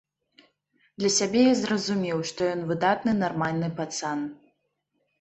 Для сябе я зразумеў, што ён выдатны нармальны пацан.